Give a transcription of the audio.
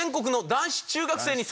男子中学生。